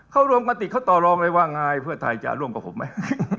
เขารวมกันติเขาต่อรองเลยว่าไงเพื่อไทยจะร่วมกับผมไหม